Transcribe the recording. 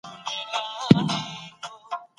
يو کوچنى دېرش افغانۍ لري.